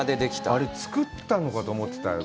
あれ、作ったのかと思ってたよ。